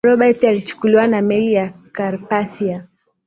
robert alichukuliwa na meli ya carpathia